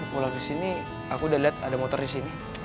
pulang ke sini aku udah lihat ada motor di sini